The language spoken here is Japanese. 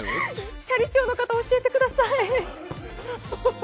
斜里町の方、教えてください。